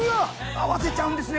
合わせちゃうんですね